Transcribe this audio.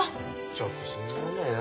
ちょっと信じらんないな。